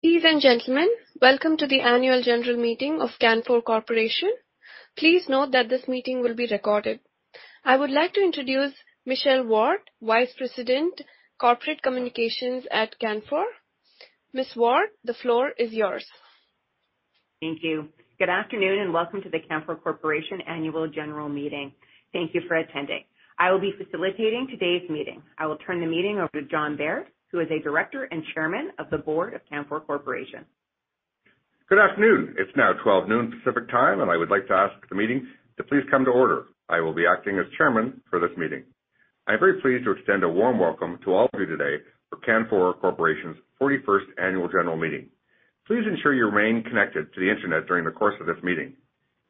Ladies and gentlemen, welcome to the annual general meeting of Canfor Corporation. Please note that this meeting will be recorded. I would like to introduce Michelle Ward, Vice President, Corporate Communications at Canfor. Ms. Ward, the floor is yours. Thank you. Good afternoon, and welcome to the Canfor Corporation Annual General Meeting. Thank you for attending. I will be facilitating today's meeting. I will turn the meeting over to John Baird, who is a Director and Chairman of the Board of Canfor Corporation. Good afternoon. It's now 12:00 P.M. Pacific Time, and I would like to ask the meeting to please come to order. I will be acting as chairman for this meeting. I'm very pleased to extend a warm welcome to all of you today for Canfor Corporation's 41st annual general meeting. Please ensure you remain connected to the Internet during the course of this meeting.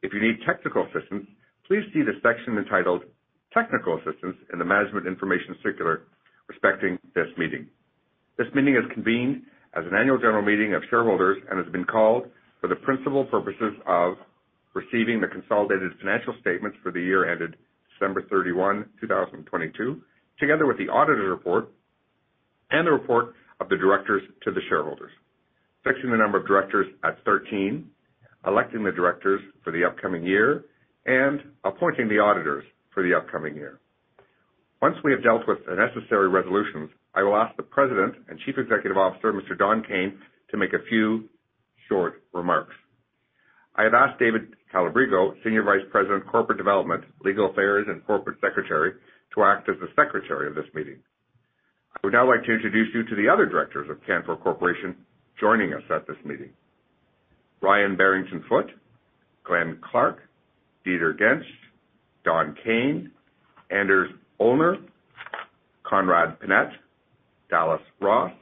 If you need technical assistance, please see the section entitled Technical Assistance in the Management Information Circular respecting this meeting. This meeting is convened as an annual general meeting of shareholders and has been called for the principal purposes of receiving the consolidated financial statements for the year ended December 31, 2022, together with the auditor's report and the report of the directors to the shareholders. Fixing the number of directors at 13, electing the directors for the upcoming year, and appointing the auditors for the upcoming year. Once we have dealt with the necessary resolutions, I will ask the President and Chief Executive Officer, Mr. Don Kayne, to make a few short remarks. I have asked David Calabrigo, Senior Vice President, Corporate Development, Legal Affairs and Corporate Secretary, to act as the secretary of this meeting. I would now like to introduce you to the other directors of Canfor Corporation joining us at this meeting. Ryan Barrington-Foote, Glen Clark, Dieter W. Jentsch, Don Kayne, Anders Ohlner, Conrad A. Pinette, Dallas Ross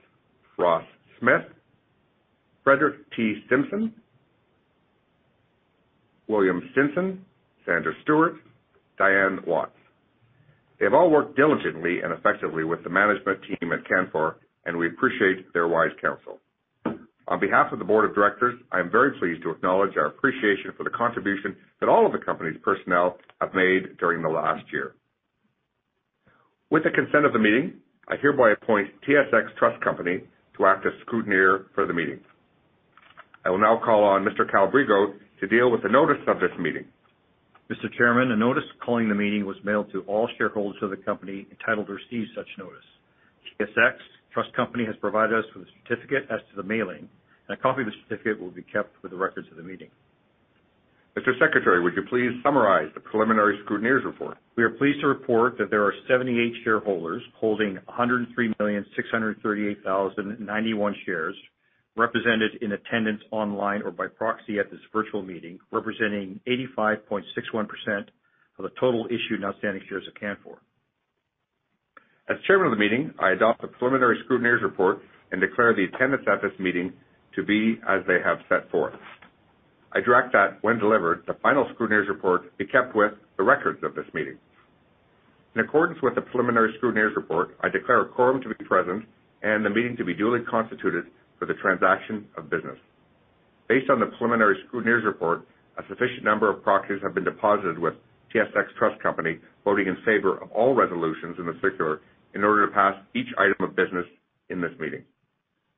S. Smith, Frederick T. Stimson, William W. Stinson, Sandra Stuart, Dianne L. Watts. They have all worked diligently and effectively with the management team at Canfor, and we appreciate their wise counsel. On behalf of the board of directors, I am very pleased to acknowledge our appreciation for the contribution that all of the company's personnel have made during the last year. With the consent of the meeting, I hereby appoint TSX Trust Company to act as scrutineer for the meeting. I will now call on Mr. Calabrigo to deal with the notice of this meeting. Mr. Chairman, a notice calling the meeting was mailed to all shareholders of the company entitled to receive such notice. TSX Trust Company has provided us with a certificate as to the mailing, and a copy of the certificate will be kept for the records of the meeting. Mr. Secretary, would you please summarize the preliminary scrutineer's report? We are pleased to report that there are 78 shareholders holding 103,638,091 shares represented in attendance online or by proxy at this virtual meeting, representing 85.61% of the total issued and outstanding shares of Canfor. As chairman of the meeting, I adopt the preliminary scrutineer's report and declare the attendance at this meeting to be as they have set forth. I direct that when delivered, the final scrutineer's report be kept with the records of this meeting. In accordance with the preliminary scrutineer's report, I declare a quorum to be present and the meeting to be duly constituted for the transaction of business. Based on the preliminary scrutineer's report, a sufficient number of proxies have been deposited with TSX Trust Company, voting in favor of all resolutions in the circular in order to pass each item of business in this meeting.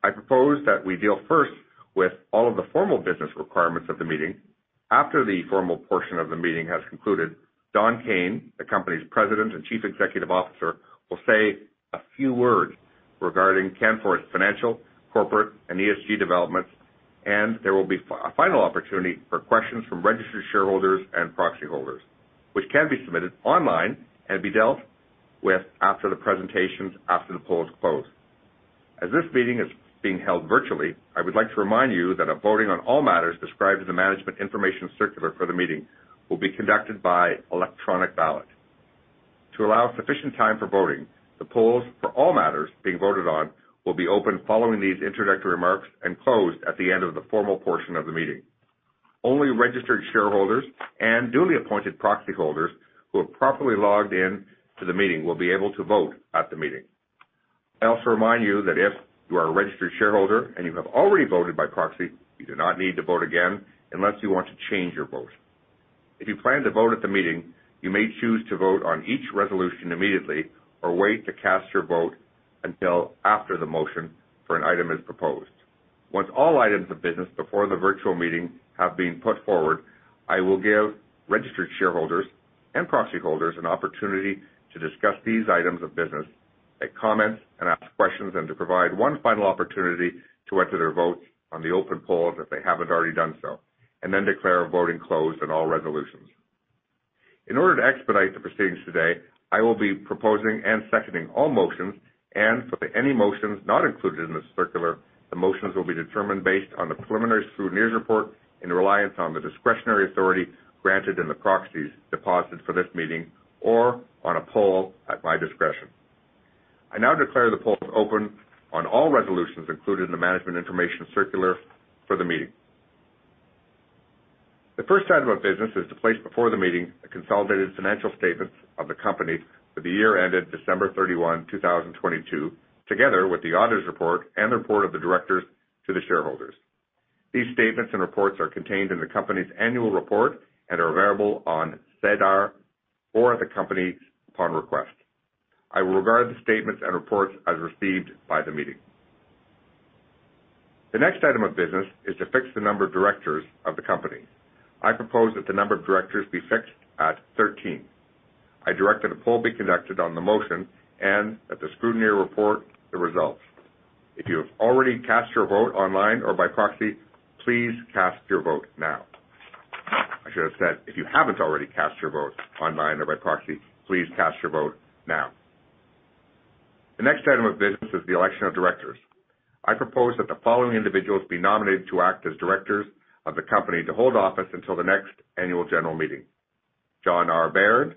I propose that we deal first with all of the formal business requirements of the meeting. After the formal portion of the meeting has concluded, Don Kayne, the company's President and Chief Executive Officer, will say a few words regarding Canfor's financial, corporate, and ESG developments, and there will be a final opportunity for questions from registered shareholders and proxy holders, which can be submitted online and be dealt with after the presentations, after the polls close. As this meeting is being held virtually, I would like to remind you that a voting on all matters described in the management information circular for the meeting will be conducted by electronic ballot. To allow sufficient time for voting, the polls for all matters being voted on will be open following these introductory remarks and closed at the end of the formal portion of the meeting. Only registered shareholders and duly appointed proxy holders who have properly logged in to the meeting will be able to vote at the meeting. I also remind you that if you are a registered shareholder and you have already voted by proxy, you do not need to vote again unless you want to change your vote. If you plan to vote at the meeting, you may choose to vote on each resolution immediately or wait to cast your vote until after the motion for an item is proposed. Once all items of business before the virtual meeting have been put forward, I will give registered shareholders and proxy holders an opportunity to discuss these items of business, make comments, and ask questions, and to provide one final opportunity to enter their votes on the open polls if they haven't already done so, and then declare voting closed on all resolutions. In order to expedite the proceedings today, I will be proposing and seconding all motions, and for any motions not included in the circular, the motions will be determined based on the preliminary scrutineer's report in reliance on the discretionary authority granted in the proxies deposited for this meeting or on a poll at my discretion. I now declare the polls open on all resolutions included in the management information circular for the meeting. The first item of business is to place before the meeting the consolidated financial statements of the company for the year ended December 31, 2022, together with the auditor's report and the report of the directors to the shareholders. These statements and reports are contained in the company's annual report and are available on SEDAR or at the company upon request. I will regard the statements and reports as received by the meeting. The next item of business is to fix the number of directors of the company. I propose that the number of directors be fixed at 13. I direct that a poll be conducted on the motion and that the scrutineer report the results. If you have already cast your vote online or by proxy, please cast your vote now. I should have said, if you haven't already cast your vote online or by proxy, please cast your vote now. The next item of business is the election of directors. I propose that the following individuals be nominated to act as directors of the company to hold office until the next annual general meeting. John R. Baird,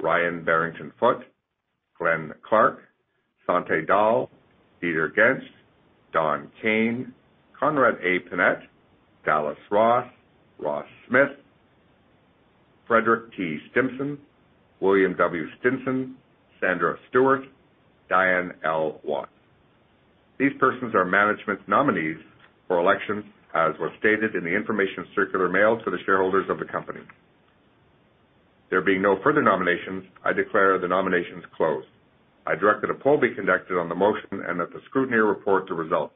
Ryan Barrington-Foote, Glen Clark, Santhe Dahl, Peter Jentzen, Don Kayne, Conrad A. Pinette, Dallas Ross S. Smith, Frederick T. Stimson, William W. Stinson, Sandra Stuart, Dianne L. Watts. These persons are management's nominees for election, as was stated in the information circular mailed to the shareholders of the company. There being no further nominations, I declare the nominations closed. I direct that a poll be conducted on the motion and that the scrutineer report the results.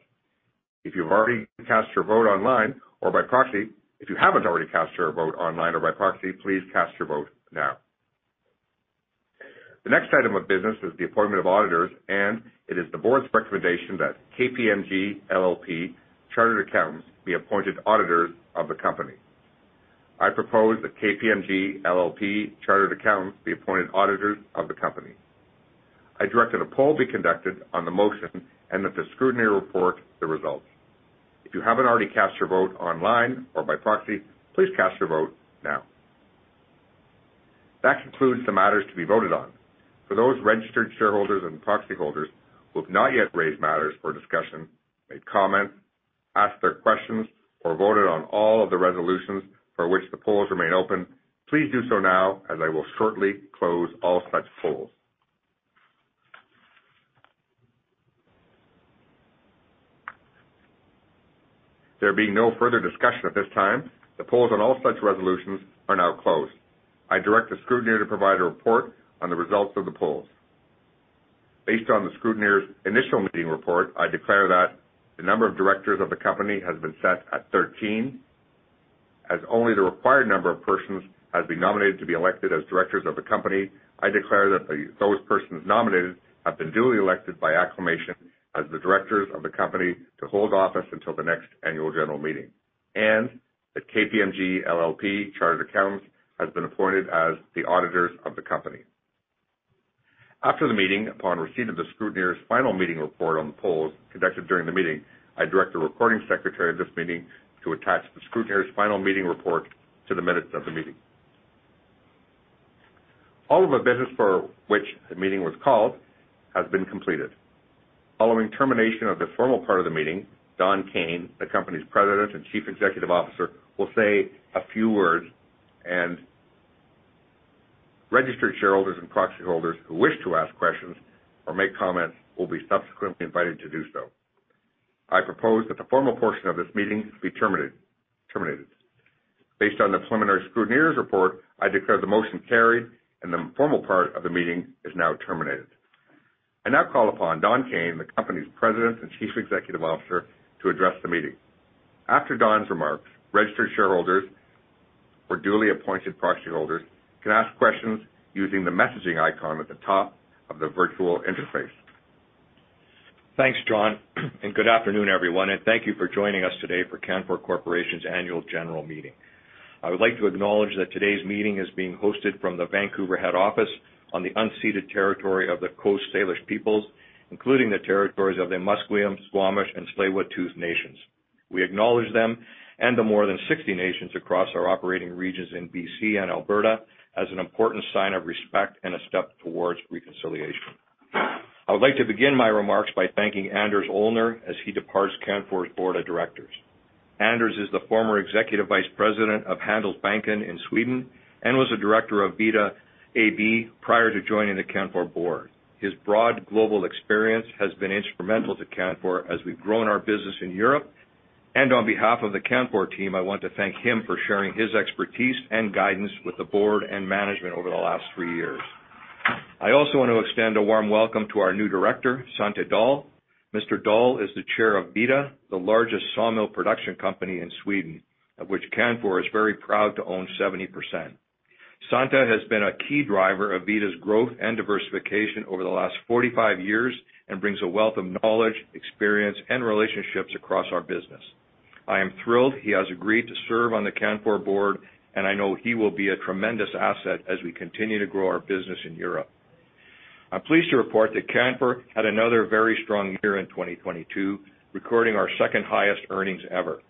If you haven't already cast your vote online or by proxy, please cast your vote now. The next item of business is the appointment of auditors, and it is the board's recommendation that KPMG LLP Chartered Accountants be appointed auditors of the company. I propose that KPMG LLP Chartered Accountants be appointed auditors of the company. I direct that a poll be conducted on the motion and that the scrutineer report the results. If you haven't already cast your vote online or by proxy, please cast your vote now. That concludes the matters to be voted on. For those registered shareholders and proxy holders who have not yet raised matters for discussion, made comments, asked their questions, or voted on all of the resolutions for which the polls remain open, please do so now, as I will shortly close all such polls. There being no further discussion at this time, the polls on all such resolutions are now closed. I direct the scrutineer to provide a report on the results of the polls. Based on the scrutineer's initial meeting report, I declare that the number of directors of the company has been set at 13, as only the required number of persons has been nominated to be elected as directors of the company. I declare that those persons nominated have been duly elected by acclamation as the directors of the company to hold office until the next annual general meeting. That KPMG LLP Chartered Accountants has been appointed as the auditors of the company. After the meeting, upon receipt of the scrutineer's final meeting report on the polls conducted during the meeting, I direct the recording secretary of this meeting to attach the scrutineer's final meeting report to the minutes of the meeting. All of the business for which the meeting was called has been completed. Following termination of the formal part of the meeting, Don Kayne, the company's President and Chief Executive Officer, will say a few words, and registered shareholders and proxy holders who wish to ask questions or make comments will be subsequently invited to do so. I propose that the formal portion of this meeting be terminated. Based on the preliminary scrutineer's report, I declare the motion carried and the formal part of the meeting is now terminated. I now call upon Don Kayne, the company's President and Chief Executive Officer, to address the meeting. After Don's remarks, registered shareholders or duly appointed proxy holders can ask questions using the messaging icon at the top of the virtual interface. Thanks, John, and good afternoon, everyone, and thank you for joining us today for Canfor Corporation's Annual General Meeting. I would like to acknowledge that today's meeting is being hosted from the Vancouver head office on the unceded territory of the Coast Salish peoples, including the territories of the Musqueam, Squamish, and Tsleil-Waututh nations. We acknowledge them and the more than 60 nations across our operating regions in BC and Alberta as an important sign of respect and a step towards reconciliation. I would like to begin my remarks by thanking Anders Ohlner as he departs Canfor's board of directors. Anders is the former Executive Vice President of Handelsbanken in Sweden and was Director of Vida AB prior to joining the Canfor board. His broad global experience has been instrumental to Canfor as we've grown our business in Europe. On behalf of the Canfor team, I want to thank him for sharing his expertise and guidance with the board and management over the last three years. I also want to extend a warm welcome to our new director, Santhe Dahl. Mr. Dahl is the chair of Vida, the largest sawmill production company in Sweden, of which Canfor is very proud to own 70%. Santhe has been a key driver of Vida's growth and diversification over the last 45 years and brings a wealth of knowledge, experience, and relationships across our business. I am thrilled he has agreed to serve on the Canfor board, and I know he will be a tremendous asset as we continue to grow our business in Europe. I'm pleased to report that Canfor had another very strong year in 2022, recording our second highest earnings ever.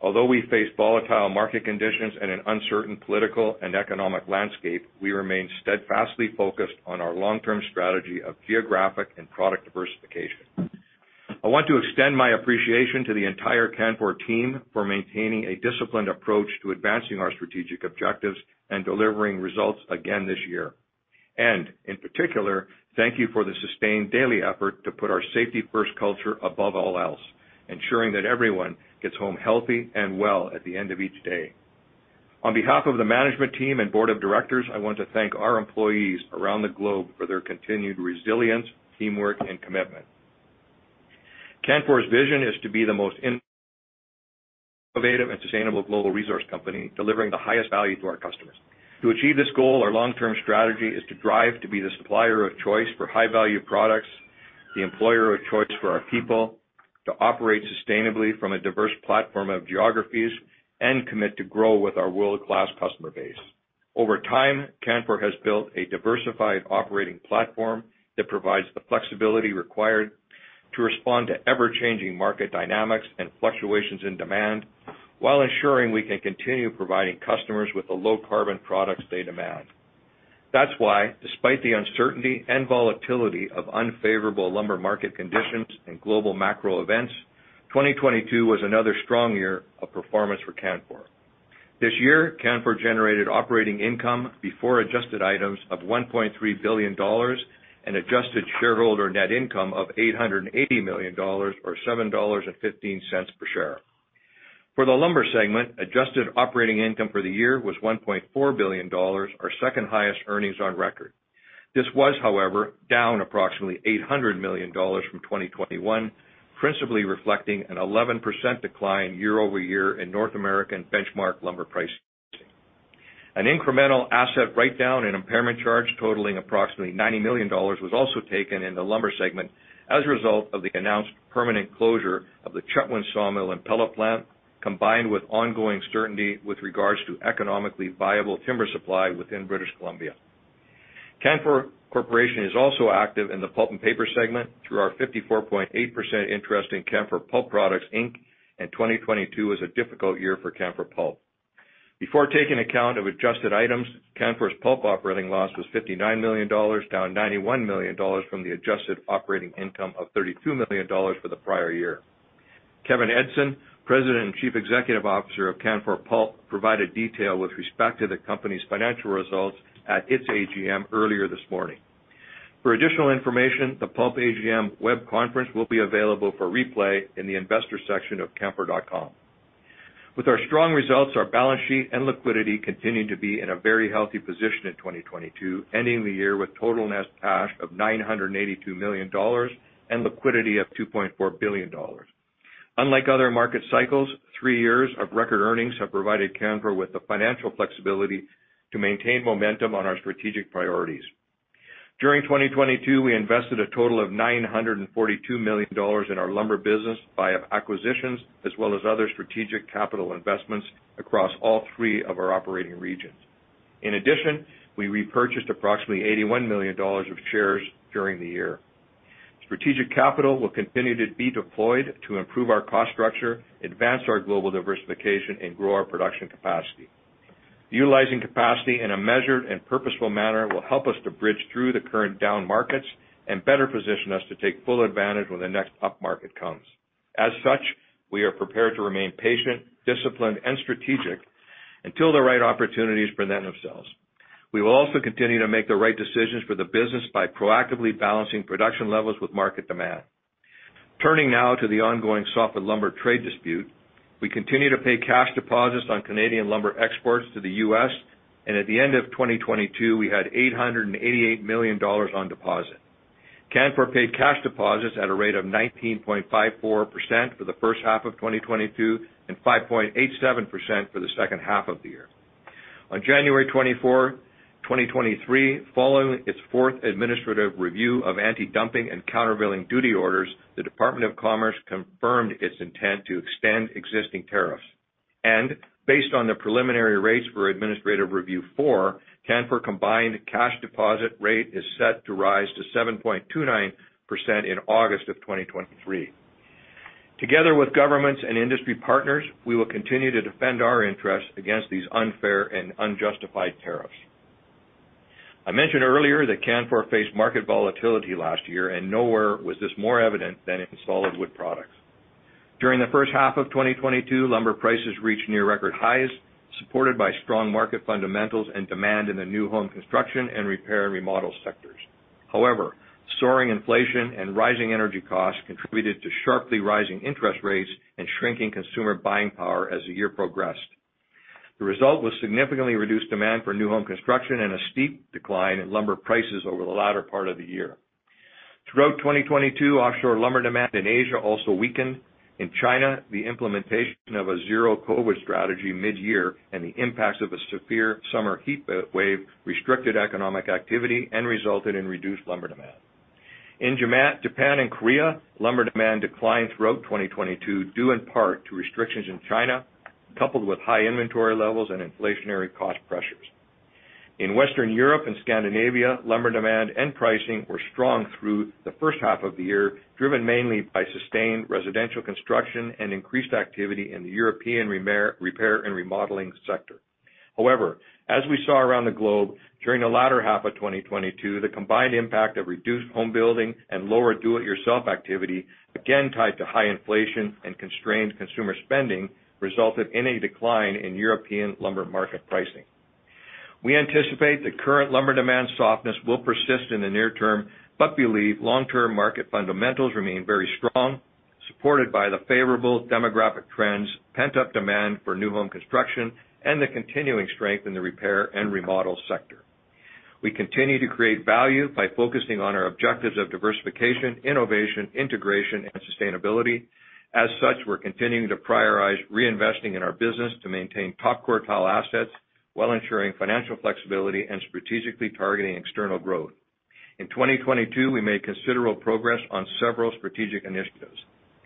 Although we face volatile market conditions and an uncertain political and economic landscape, we remain steadfastly focused on our long-term strategy of geographic and product diversification. I want to extend my appreciation to the entire Canfor team for maintaining a disciplined approach to advancing our strategic objectives and delivering results again this year. In particular, thank you for the sustained daily effort to put our safety-first culture above all else, ensuring that everyone gets home healthy and well at the end of each day. On behalf of the management team and board of directors, I want to thank our employees around the globe for their continued resilience, teamwork, and commitment. Canfor's vision is to be the most innovative and sustainable global resource company, delivering the highest value to our customers. To achieve this goal, our long-term strategy is to drive to be the supplier of choice for high-value products, the employer of choice for our people, to operate sustainably from a diverse platform of geographies, and commit to grow with our world-class customer base. Over time, Canfor has built a diversified operating platform that provides the flexibility required to respond to ever-changing market dynamics and fluctuations in demand while ensuring we can continue providing customers with the low-carbon products they demand. That's why, despite the uncertainty and volatility of unfavorable lumber market conditions and global macro events, 2022 was another strong year of performance for Canfor. This year, Canfor generated operating income before adjusted items of 1.3 billion dollars and adjusted shareholder net income of 880 million dollars or 7.15 dollars per share. For the lumber segment, adjusted operating income for the year was 1.4 billion dollars, our second highest earnings on record. This was, however, down approximately 800 million dollars from 2021, principally reflecting an 11% decline year-over-year in North American benchmark lumber pricing. An incremental asset write-down and impairment charge totaling approximately 90 million dollars was also taken in the lumber segment as a result of the announced permanent closure of the Chetwynd sawmill and pellet plant, combined with ongoing certainty with regards to economically viable timber supply within British Columbia. Canfor Corporation is also active in the pulp and paper segment through our 54.8% interest in Canfor Pulp Products Inc., and 2022 is a difficult year for Canfor Pulp. Before taking account of adjusted items, Canfor's pulp operating loss was 59 million dollars, down 91 million dollars from the adjusted operating income of 32 million dollars for the prior year. Kevin Pankratz, President and Chief Executive Officer of Canfor Pulp, provided detail with respect to the company's financial results at its AGM earlier this morning. For additional information, the pulp AGM web conference will be available for replay in the investor section of canfor.com. With our strong results, our balance sheet and liquidity continued to be in a very healthy position in 2022, ending the year with total net cash of 982 million dollars and liquidity of 2.4 billion dollars. Unlike other market cycles, three years of record earnings have provided Canfor with the financial flexibility to maintain momentum on our strategic priorities. During 2022, we invested a total of 942 million dollars in our lumber business via acquisitions as well as other strategic capital investments across all three of our operating regions. In addition, we repurchased approximately 81 million dollars of shares during the year. Strategic capital will continue to be deployed to improve our cost structure, advance our global diversification, and grow our production capacity. Utilizing capacity in a measured and purposeful manner will help us to bridge through the current down markets and better position us to take full advantage when the next upmarket comes. As such, we are prepared to remain patient, disciplined, and strategic until the right opportunities present themselves. We will also continue to make the right decisions for the business by proactively balancing production levels with market demand. Turning now to the ongoing softwood lumber trade dispute, we continue to pay cash deposits on Canadian lumber exports to the U.S. and at the end of 2022, we had $888 million on deposit. Canfor paid cash deposits at a rate of 19.54% for the first half of 2022 and 5.87% for the second half of the year. On January 24, 2023, following its fourth administrative review of anti-dumping and countervailing duty orders, the US Department of Commerce confirmed its intent to extend existing tariffs. Based on the preliminary rates for Administrative Review 4, Canfor's combined cash deposit rate is set to rise to 7.29% in August of 2023. Together with governments and industry partners, we will continue to defend our interests against these unfair and unjustified tariffs. I mentioned earlier that Canfor faced market volatility last year, and nowhere was this more evident than in solid wood products. During the first half of 2022, lumber prices reached near record highs, supported by strong market fundamentals and demand in the new home construction and repair and remodel sectors. However, soaring inflation and rising energy costs contributed to sharply rising interest rates and shrinking consumer buying power as the year progressed. The result was significantly reduced demand for new home construction and a steep decline in lumber prices over the latter part of the year. Throughout 2022, offshore lumber demand in Asia also weakened. In China, the implementation of a zero-COVID strategy mid-year and the impacts of a severe summer heat wave restricted economic activity and resulted in reduced lumber demand. In Japan and Korea, lumber demand declined throughout 2022, due in part to restrictions in China, coupled with high inventory levels and inflationary cost pressures. In Western Europe and Scandinavia, lumber demand and pricing were strong through the first half of the year, driven mainly by sustained residential construction and increased activity in the European repair and remodeling sector. However, as we saw around the globe during the latter half of 2022, the combined impact of reduced home building and lower do-it-yourself activity, again tied to high inflation and constrained consumer spending, resulted in a decline in European lumber market pricing. We anticipate the current lumber demand softness will persist in the near term, but believe long-term market fundamentals remain very strong, supported by the favorable demographic trends, pent-up demand for new home construction, and the continuing strength in the repair and remodel sector. We continue to create value by focusing on our objectives of diversification, innovation, integration, and sustainability. As such, we're continuing to prioritize reinvesting in our business to maintain top-quartile assets while ensuring financial flexibility and strategically targeting external growth. In 2022, we made considerable progress on several strategic initiatives.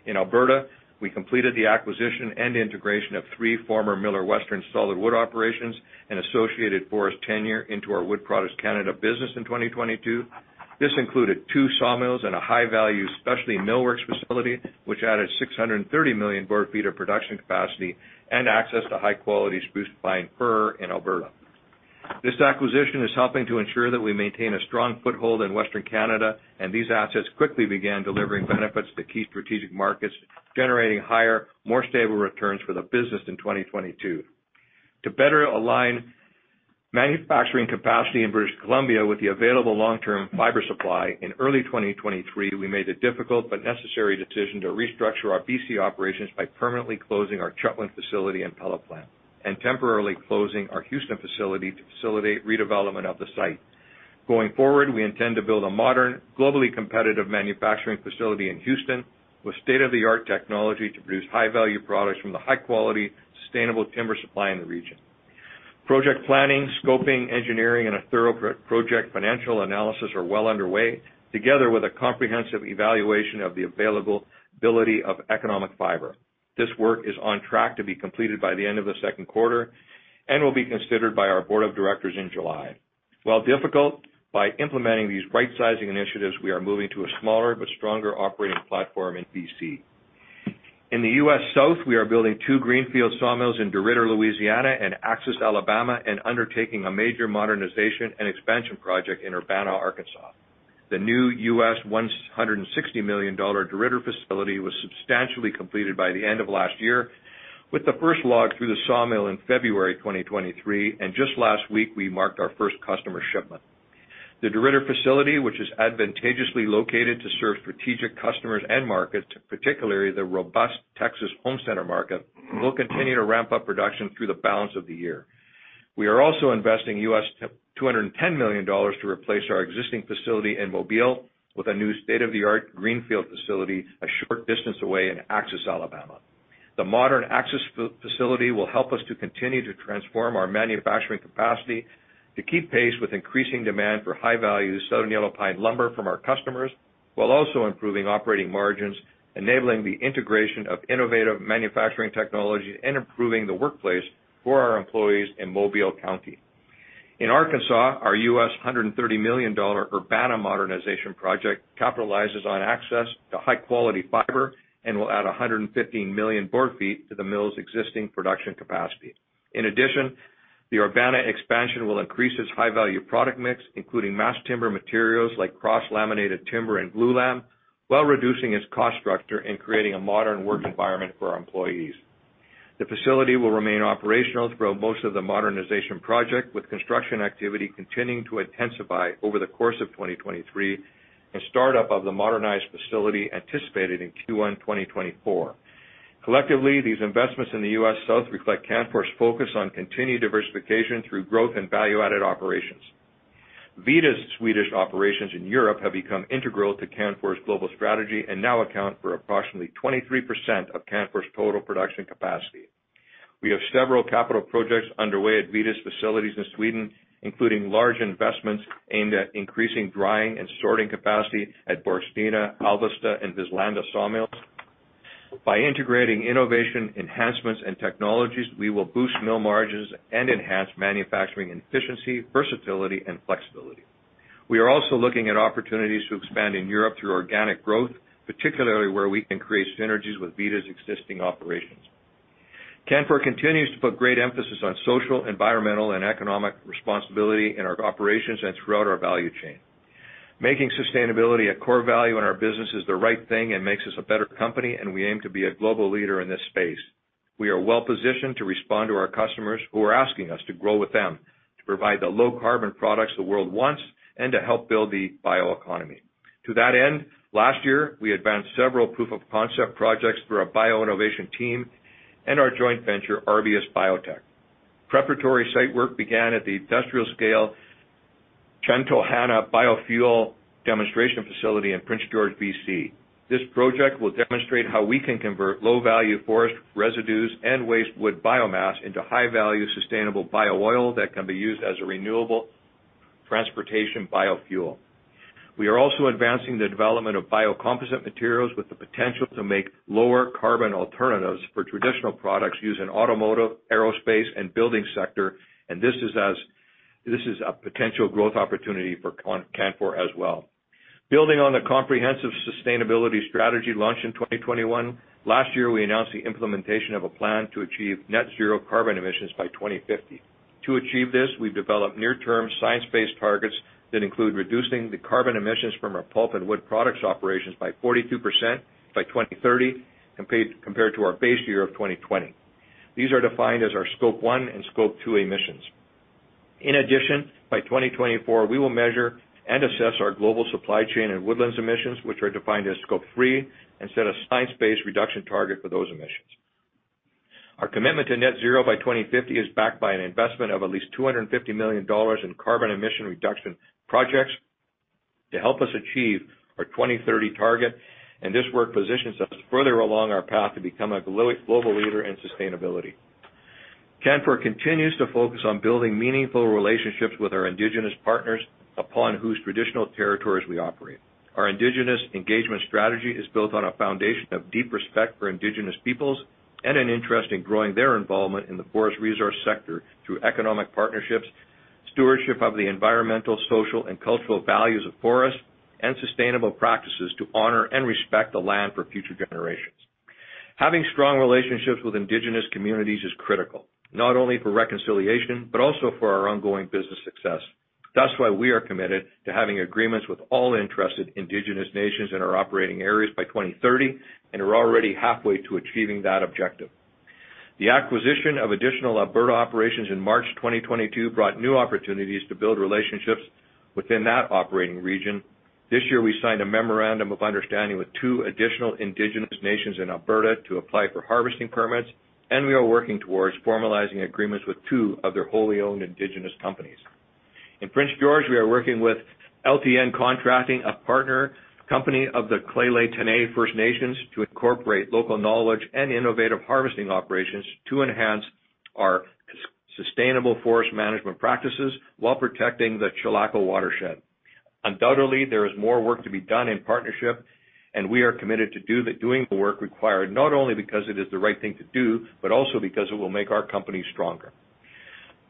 In Alberta, we completed the acquisition and integration of three former Millar Western solid wood operations and associated forest tenure into our Wood Products Canada business in 2022. This included two sawmills and a high-value specialty millworks facility, which added 630 million board feet of production capacity and access to high-quality Spruce-Pine-Fir in Alberta. This acquisition is helping to ensure that we maintain a strong foothold in Western Canada, and these assets quickly began delivering benefits to key strategic markets, generating higher, more stable returns for the business in 2022. To better align manufacturing capacity in British Columbia with the available long-term fiber supply, in early 2023, we made the difficult but necessary decision to restructure our B.C. operations by permanently closing our Chetwynd facility and pellet plant and temporarily closing our Houston facility to facilitate redevelopment of the site. Going forward, we intend to build a modern, globally competitive manufacturing facility in Houston with state-of-the-art technology to produce high-value products from the high-quality, sustainable timber supply in the region. Project planning, scoping, engineering, and a thorough project financial analysis are well underway, together with a comprehensive evaluation of the availability of economic fiber. This work is on track to be completed by the end of the second quarter and will be considered by our board of directors in July. While difficult, by implementing these right-sizing initiatives, we are moving to a smaller but stronger operating platform in BC. In the US South, we are building two greenfield sawmills in DeRidder, Louisiana and Axis, Alabama and undertaking a major modernization and expansion project in Urbana, Arkansas. The new $160 million DeRidder facility was substantially completed by the end of last year with the first log through the sawmill in February 2023, and just last week we marked our first customer shipment. The DeRidder facility, which is advantageously located to serve strategic customers and markets, particularly the robust Texas home center market, will continue to ramp up production through the balance of the year. We are also investing $210 million to replace our existing facility in Mobile with a new state-of-the-art greenfield facility a short distance away in Axis, Alabama. The modern Axis facility will help us to continue to transform our manufacturing capacity to keep pace with increasing demand for high-value Southern Yellow Pine lumber from our customers while also improving operating margins, enabling the integration of innovative manufacturing technology, and improving the workplace for our employees in Mobile County. In Arkansas, our $130 million Urbana modernization project capitalizes on access to high-quality fiber and will add 115 million board feet to the mill's existing production capacity. In addition, the Urbana expansion will increase its high-value product mix, including mass timber materials like cross-laminated timber and glulam, while reducing its cost structure and creating a modern work environment for our employees. The facility will remain operational throughout most of the modernization project, with construction activity continuing to intensify over the course of 2023 and startup of the modernized facility anticipated in Q1 2024. Collectively, these investments in the US South reflect Canfor's focus on continued diversification through growth and value-added operations. Vida's Swedish operations in Europe have become integral to Canfor's global strategy and now account for approximately 23% of Canfor's total production capacity. We have several capital projects underway at Vida's facilities in Sweden, including large investments aimed at increasing drying and sorting capacity at Borgstena, Alvesta, and Vislanda sawmills. By integrating innovation enhancements and technologies, we will boost mill margins and enhance manufacturing efficiency, versatility, and flexibility. We are also looking at opportunities to expand in Europe through organic growth, particularly where we can create synergies with Vida's existing operations. Canfor continues to put great emphasis on social, environmental, and economic responsibility in our operations and throughout our value chain. Making sustainability a core value in our business is the right thing and makes us a better company, and we aim to be a global leader in this space. We are well-positioned to respond to our customers who are asking us to grow with them, to provide the low-carbon products the world wants, and to help build the bioeconomy. To that end, last year, we advanced several proof-of-concept projects through our bioinnovation team and our joint venture, Arbios Biotech. Preparatory site work began at the industrial-scale Chuntoh Ghuna Biofuel demonstration facility in Prince George, BC. This project will demonstrate how we can convert low-value forest residues and waste wood biomass into high-value, sustainable bio-oil that can be used as a renewable transportation biofuel. We are also advancing the development of biocomposite materials with the potential to make lower carbon alternatives for traditional products used in automotive, aerospace, and building sector, and this is a potential growth opportunity for Canfor as well. Building on the comprehensive sustainability strategy launched in 2021, last year, we announced the implementation of a plan to achieve net zero carbon emissions by 2050. To achieve this, we've developed near-term science-based targets that include reducing the carbon emissions from our pulp and wood products operations by 42% by 2030 compared to our base year of 2020. These are defined as our scope one and scope two emissions. In addition, by 2024, we will measure and assess our global supply chain and woodlands emissions, which are defined as scope three, and set a science-based reduction target for those emissions. Our commitment to net zero by 2050 is backed by an investment of at least 250 million dollars in carbon emission reduction projects to help us achieve our 2030 target, and this work positions us further along our path to become a global leader in sustainability. Canfor continues to focus on building meaningful relationships with our Indigenous partners, upon whose traditional territories we operate. Our Indigenous engagement strategy is built on a foundation of deep respect for Indigenous peoples and an interest in growing their involvement in the forest resource sector through economic partnerships, stewardship of the environmental, social, and cultural values of forests, and sustainable practices to honor and respect the land for future generations. Having strong relationships with Indigenous communities is critical, not only for reconciliation but also for our ongoing business success. That's why we are committed to having agreements with all interested Indigenous nations in our operating areas by 2030 and are already halfway to achieving that objective. The acquisition of additional Alberta operations in March 2022 brought new opportunities to build relationships within that operating region. This year, we signed a memorandum of understanding with two additional Indigenous nations in Alberta to apply for harvesting permits, and we are working towards formalizing agreements with two other wholly-owned Indigenous companies. In Prince George, we are working with LTN Contracting, a partner company of the Lheidli T'enneh First Nation, to incorporate local knowledge and innovative harvesting operations to enhance our sustainable forest management practices while protecting the Chilako Watershed. Undoubtedly, there is more work to be done in partnership, and we are committed to doing the work required, not only because it is the right thing to do but also because it will make our company stronger.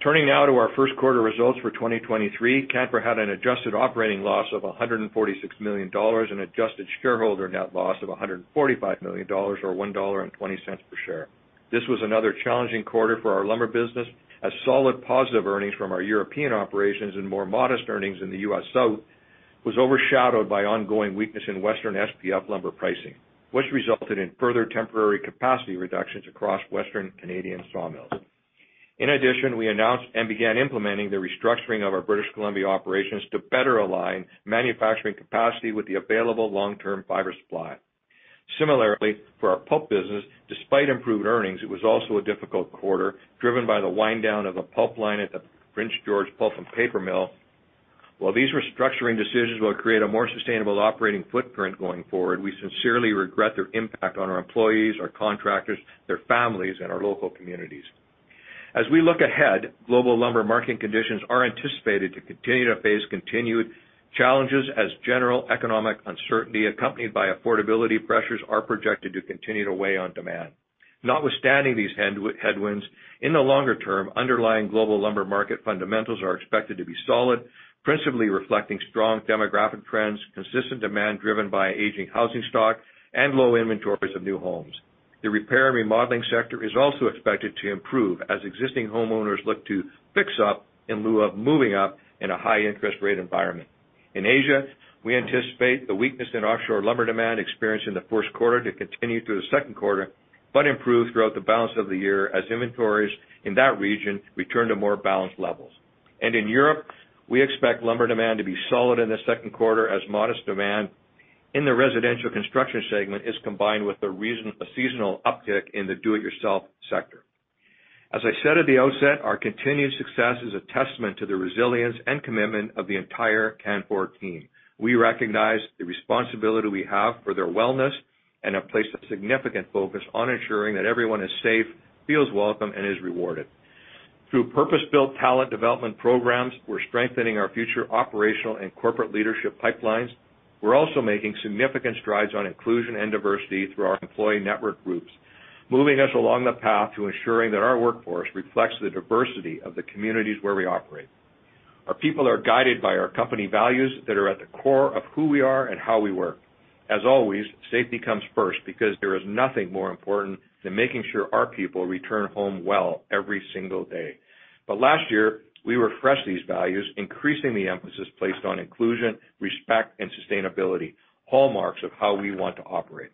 Turning now to our first quarter results for 2023, Canfor had an adjusted operating loss of 146 million dollars and adjusted shareholder net loss of 145 million dollars or 1.20 dollar per share. This was another challenging quarter for our lumber business, as solid positive earnings from our European operations and more modest earnings in the US South was overshadowed by ongoing weakness in Western SPF lumber pricing, which resulted in further temporary capacity reductions across Western Canadian sawmills. In addition, we announced and began implementing the restructuring of our British Columbia operations to better align manufacturing capacity with the available long-term fiber supply. Similarly, for our pulp business, despite improved earnings, it was also a difficult quarter, driven by the wind-down of a pulp line at the Prince George Pulp and Paper Mill. While these restructuring decisions will create a more sustainable operating footprint going forward, we sincerely regret their impact on our employees, our contractors, their families, and our local communities. As we look ahead, global lumber market conditions are anticipated to continue to face continued challenges as general economic uncertainty accompanied by affordability pressures are projected to continue to weigh on demand. Notwithstanding these headwinds, in the longer term, underlying global lumber market fundamentals are expected to be solid, principally reflecting strong demographic trends, consistent demand driven by aging housing stock, and low inventories of new homes. The repair and remodeling sector is also expected to improve as existing homeowners look to fix up in lieu of moving up in a high-interest rate environment. In Asia, we anticipate the weakness in offshore lumber demand experienced in the first quarter to continue through the second quarter, but improve throughout the balance of the year as inventories in that region return to more balanced levels. In Europe, we expect lumber demand to be solid in the second quarter as modest demand in the residential construction segment is combined with a seasonal uptick in the do-it-yourself sector. As I said at the outset, our continued success is a testament to the resilience and commitment of the entire Canfor team. We recognize the responsibility we have for their wellness and have placed a significant focus on ensuring that everyone is safe, feels welcome, and is rewarded. Through purpose-built talent development programs, we're strengthening our future operational and corporate leadership pipelines. We're also making significant strides on inclusion and diversity through our employee network groups, moving us along the path to ensuring that our workforce reflects the diversity of the communities where we operate. Our people are guided by our company values that are at the core of who we are and how we work. As always, safety comes first because there is nothing more important than making sure our people return home well every single day. Last year, we refreshed these values, increasing the emphasis placed on inclusion, respect, and sustainability, hallmarks of how we want to operate.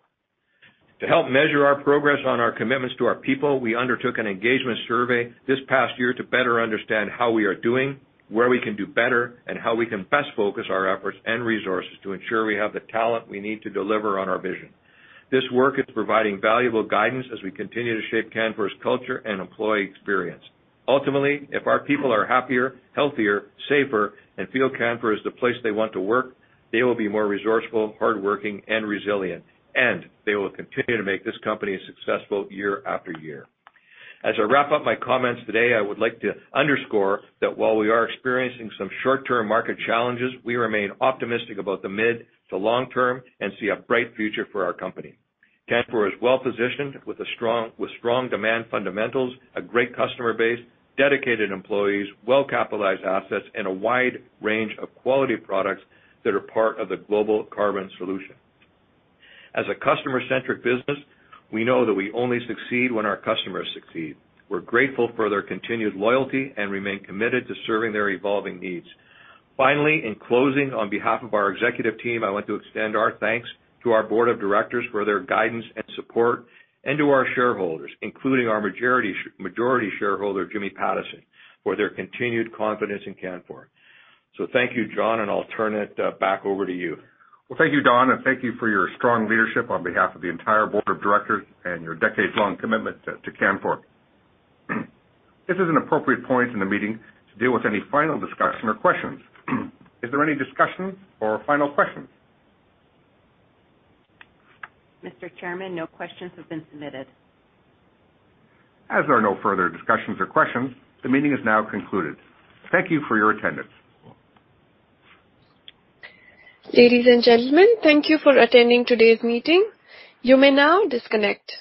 To help measure our progress on our commitments to our people, we undertook an engagement survey this past year to better understand how we are doing, where we can do better, and how we can best focus our efforts and resources to ensure we have the talent we need to deliver on our vision. This work is providing valuable guidance as we continue to shape Canfor's culture and employee experience. Ultimately, if our people are happier, healthier, safer, and feel Canfor is the place they want to work, they will be more resourceful, hardworking, and resilient, and they will continue to make this company successful year after year. As I wrap up my comments today, I would like to underscore that while we are experiencing some short-term market challenges, we remain optimistic about the mid to long term and see a bright future for our company. Canfor is well-positioned with strong demand fundamentals, a great customer base, dedicated employees, well-capitalized assets, and a wide range of quality products that are part of the global carbon solution. As a customer-centric business, we know that we only succeed when our customers succeed. We're grateful for their continued loyalty and remain committed to serving their evolving needs. Finally, in closing, on behalf of our executive team, I want to extend our thanks to our board of directors for their guidance and support and to our shareholders, including our majority shareholder, Jim Pattison, for their continued confidence in Canfor. Thank you, John, and I'll turn it back over to you. Well, thank you, Don, and thank you for your strong leadership on behalf of the entire board of directors and your decades-long commitment to Canfor. This is an appropriate point in the meeting to deal with any final discussion or questions. Is there any discussion or final question? Mr. Chairman, no questions have been submitted. As there are no further discussions or questions, the meeting is now concluded. Thank you for your attendance. Ladies and gentlemen, thank you for attending today's meeting. You may now disconnect.